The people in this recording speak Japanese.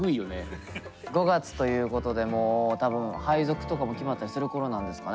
５月ということでもう多分配属とかも決まったりする頃なんですかね？